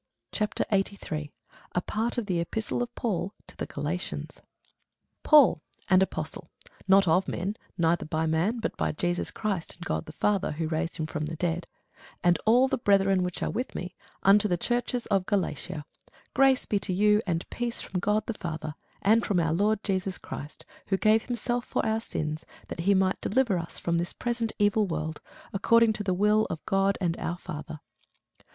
CHAPTER 83 A PART OF THE EPISTLE OF PAUL TO THE GALATIANS [Sidenote: Galatians 1] PAUL, an apostle, (not of men, neither by man, but by Jesus Christ, and God the Father, who raised him from the dead;) and all the brethren which are with me, unto the churches of Galatia: grace be to you and peace from God the Father, and from our Lord Jesus Christ, who gave himself for our sins, that he might deliver us from this present evil world, according to the will of God and our Father.